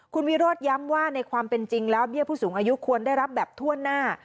คุณวิโรธย้ำว่าในความเป็นจริงแล้วเบี้ยผู้สูงอายุควรได้รับแบบถ้วนหน้า